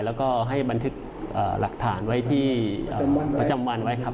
แล้วก็ให้บันทึกหลักฐานไว้ที่ประจำวันไว้ครับ